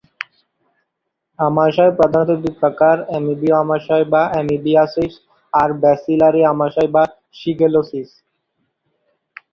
আমাশয় প্রধানত দুপ্রকার, অ্যামিবিয় আমাশয় বা অ্যামিবিয়াসিস আর ব্যাসিলারি আমাশয় বা শিগেলোসিস।